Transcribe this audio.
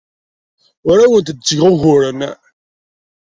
Ur awent-d-ttgeɣ uguren.